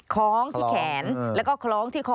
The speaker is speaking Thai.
คล้องที่แขนแล้วก็คล้องที่คอ